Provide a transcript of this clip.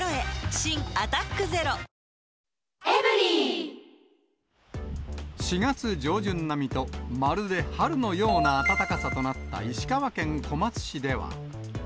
新「アタックＺＥＲＯ」４月上旬並みと、まるで春のような暖かさとなった石川県小松市では。